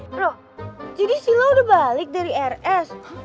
bro jadi silo udah balik dari rs